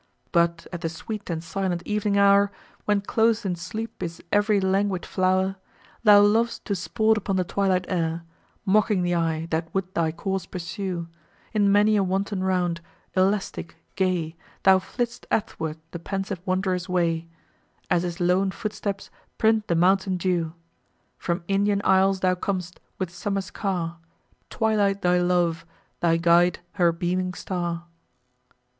But, at the sweet and silent ev'ning hour, When clos'd in sleep is ev'ry languid flow'r, Thou lov'st to sport upon the twilight air, Mocking the eye, that would thy course pursue, In many a wanton round, elastic, gay, Thou flit'st athwart the pensive wand'rer's way, As his lone footsteps print the mountain dew. From Indian isles thou com'st, with Summer's car, Twilight thy love—thy guide her beaming star!